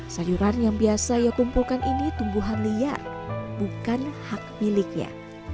sayuran yang biasa ia kumpulkan ini tumbuhan liar bukan hak miliknya